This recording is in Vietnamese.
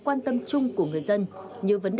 quan tâm chung của người dân như vấn đề